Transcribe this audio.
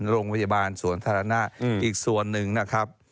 โรงพยาบาลสวนธารณะอีกส่วนหนึ่งนะครับ